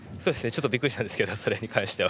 ちょっとびっくりしたんですけどそれに関しては。